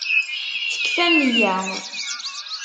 Tekfa nniya.